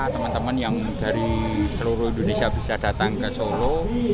teman teman yang dari seluruh indonesia bisa datang ke solo